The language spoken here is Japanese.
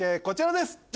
こちらです